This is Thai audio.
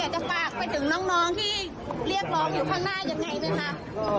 จะฝากไปถึงน้องที่เรียกร้องอยู่ข้างหน้ายังไงไหมคะ